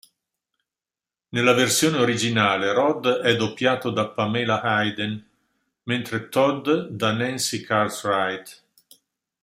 Nella versione originale Rod è doppiato da Pamela Hayden, mentre Todd da Nancy Cartwright.